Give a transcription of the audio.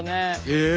へえ。